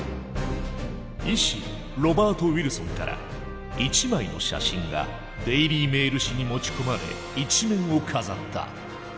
医師ロバート・ウィルソンから一枚の写真が「デイリー・メール」紙に持ち込まれ１面を飾った。